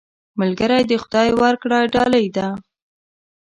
ملګری د خدای ورکړه ډالۍ ده